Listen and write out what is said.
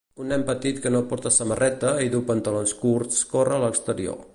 Un nen petit que no porta samarreta i du pantalons curts corre a l'exterior.